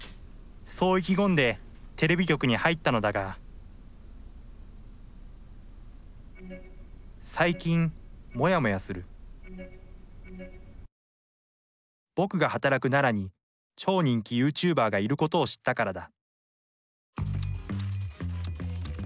そう意気込んでテレビ局に入ったのだが最近モヤモヤする僕が働く奈良に超人気ユーチューバーがいることを知ったからだ